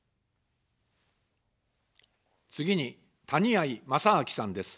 次に、谷あい正明さんです。